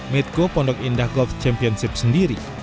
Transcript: medco pondok indah golf championship sendiri